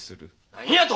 何やと！？